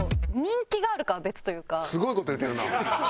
すごい事言うてるな！